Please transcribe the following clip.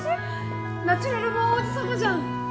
ナチュラルボーン王子様じゃん！